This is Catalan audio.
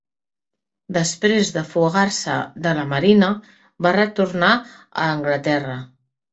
Després de fugar-se de la marina, va retornar a Anglaterra.